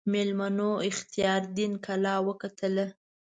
میلمنو اختیاردین کلا وکتله.